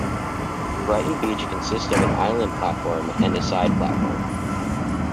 Brighton Beach consists of an island platform and a side platform.